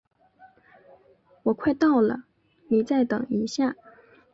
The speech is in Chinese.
我快到了，你再等一下。